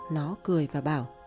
nó cười và bảo